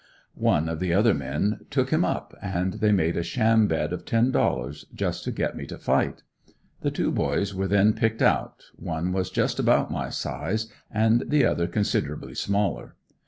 One of the other men took him up and they made a sham bet of ten dollars, just to get me to fight. The two boys were then picked out; one was just about my size and the other considerably smaller.